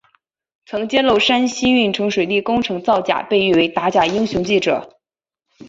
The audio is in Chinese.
曾揭露山西运城水利工程造假被誉为打假英雄记者。